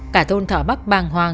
cả thôn thọ bắc bàng hoàng